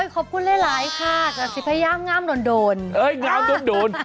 ขอบคุณหลายค่ะจะพยายามงามโดน